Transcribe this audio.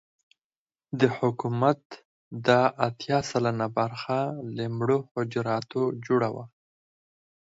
د حکومت دا اتيا سلنه برخه له مړو حجراتو جوړه وه.